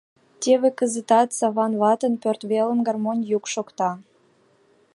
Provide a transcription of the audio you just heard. Теве кызытат Саван ватын пӧрт велым гармонь йӱк шокта.